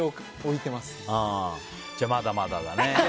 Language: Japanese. じゃあ、まだまだだね。